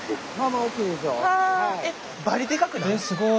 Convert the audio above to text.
バリでかくない？